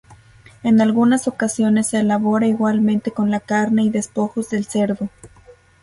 En algunas ocasiones se elabora igualmente con la carne y despojos del cerdo.